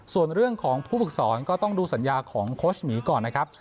ส่วนเรื่องของผู้ฝึกสอนก็ต้องดูสัญญาของโค้ชหมีก่อนนะครับ